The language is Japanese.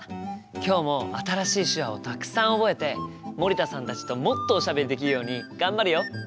今日も新しい手話をたくさん覚えて森田さんたちともっとおしゃべりできるように頑張るよ！